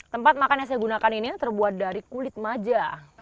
tempat makan yang saya gunakan ini terbuat dari kulit maja